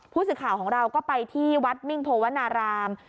ผู้สื่อข่าวของเราก็ไปที่วัดมิ่งโพวนาราม